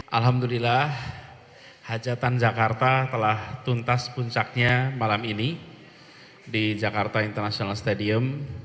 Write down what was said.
alhamdulillah hajatan jakarta telah tuntas puncaknya malam ini di jakarta international stadium